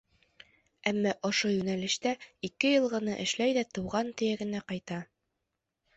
Әммә ошо йүнәлештә ике йыл ғына эшләй ҙә тыуған төйәгенә ҡайта.